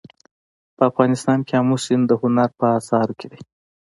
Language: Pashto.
په افغانستان کې آمو سیند د هنر په اثار کې دی.